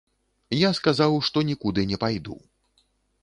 Я сказаў, што нікуды не пайду.